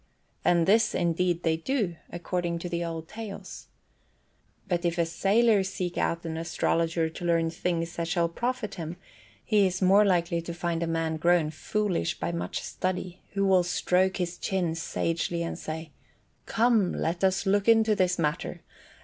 And this, indeed, they do, according to the old tales. But if a sailor seek out an astrologer to learn things that shall profit him, he is more likely to find a man grown foolish by much study, who will stroke his chin sagely and say, "Come, let us look into this matter.